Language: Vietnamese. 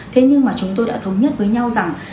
thế nhưng mà chúng tôi đã thống nhất với nhau rằng